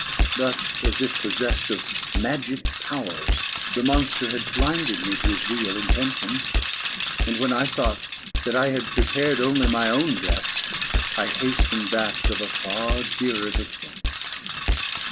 But, as if possessed of magic powers, the monster had blinded me to his real intentions; and when I thought that I had prepared only my own death, I hastened that of a far dearer victim.